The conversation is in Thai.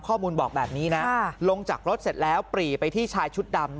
ข้อมูลบอกแบบนี้นะลงจากรถเสร็จแล้วปรีไปที่ชายชุดดำ